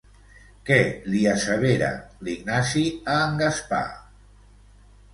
Què li assevera l'Ignasi a en Gaspar?